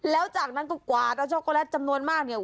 แล้วจากนั้นก็กวาดเอาช็อกโกแลตจำนวนมากเนี่ย